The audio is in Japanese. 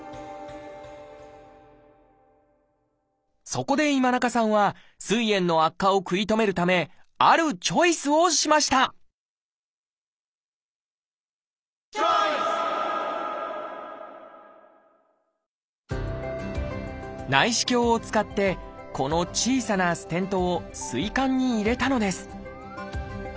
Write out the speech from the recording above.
そこで今中さんはすい炎の悪化を食い止めるためあるチョイスをしました内視鏡を使ってこの小さなステントをすい管に入れたのです